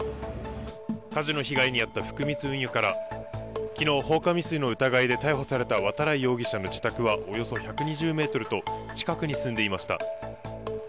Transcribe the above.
火事の被害に遭った福満運輸から、きのう、放火未遂の疑いで逮捕された渡来容疑者の自宅はおよそ１２０メートルと、近くに住んでいました。